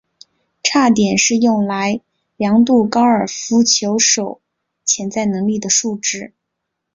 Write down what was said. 差点是用来量度高尔夫球手潜在能力的数值。